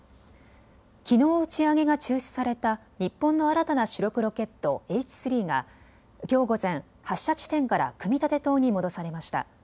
きのう打ち上げが中止された日本の新たな主力ロケット、Ｈ３がきょう午前、発射地点から組み立て棟に戻されました。